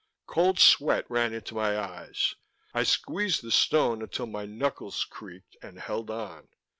Cold sweat ran into my eyes. I squeezed the stone until my knuckles creaked, and held on.